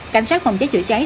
cảnh sát phòng cháy chữa cháy